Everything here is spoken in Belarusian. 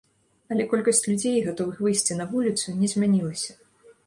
Але колькасць людзей, гатовых выйсці на вуліцу, не змянілася.